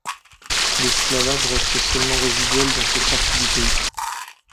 L’esclavage reste seulement résiduel dans cette partie du pays.